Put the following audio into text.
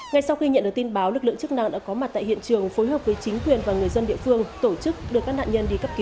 ngay sau khi nhận được tin báo lực lượng chức năng đã có mặt tại hiện trường phối hợp với chính quyền và người dân địa phương tổ chức đưa các nạn nhân đi cấp cứu